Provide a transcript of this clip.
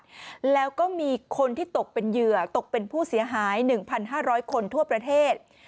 แล้วก็มีคนที่ตกเป็นเหยื่อตกเป็นผู้เสียหาย๑๕๐๐คนทั่วประเทศ